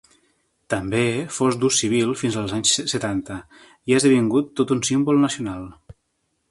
També fou d'ús civil fins als anys setanta, i ha esdevingut tot un símbol nacional.